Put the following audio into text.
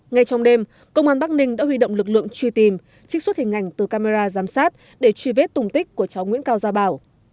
ngay trong đêm công an bắc ninh đã huy động lực lượng truy tìm trích xuất hình ảnh từ camera giám sát để truy vết tùng tích của cháu nguyễn cao gia bảo